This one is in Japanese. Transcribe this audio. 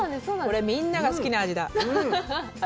これみんなが好きな味だ